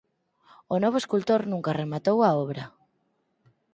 O novo escultor nunca rematou a obra.